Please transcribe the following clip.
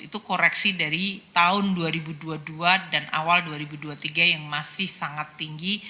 itu koreksi dari tahun dua ribu dua puluh dua dan awal dua ribu dua puluh tiga yang masih sangat tinggi